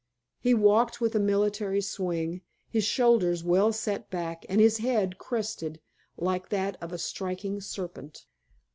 He walked with a military swing, his shoulders well set back and his head crested like that of a striking serpent.